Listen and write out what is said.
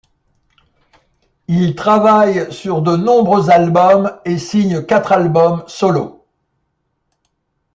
Il travaille sur de nombreux albums et signe quatre albums solo.